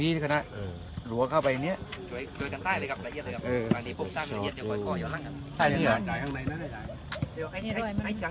สวัสดีครับทุกคนขอบคุณครับทุกคน